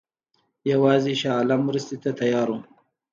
یوازې شاه عالم مرستې ته تیار وو.